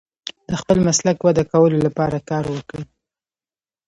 د خپل مسلک وده کولو لپاره کار وکړئ.